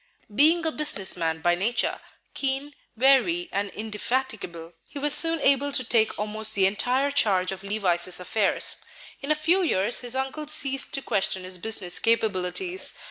Being a business man by nature, keen, wary, and indefatigable, he was soon able to take almost the entire charge of Levice's affairs. In a few years his uncle ceased to question his business capabilities.